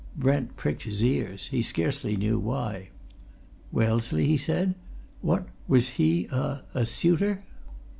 Brent pricked his ears he scarcely knew why. "Wellesley?" he said. "What? Was he a a suitor?"